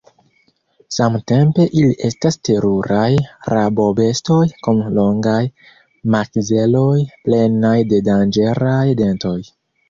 Samtempe ili estas teruraj rabobestoj kun longaj makzeloj plenaj de danĝeraj dentoj.